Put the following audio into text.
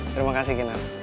terima kasih kinar